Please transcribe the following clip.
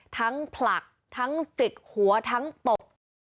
ผลักทั้งจิกหัวทั้งตบ